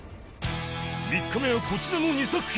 ３日目はこちらの２作品